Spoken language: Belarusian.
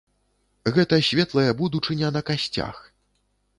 Гэта светлая будучыня на касцях.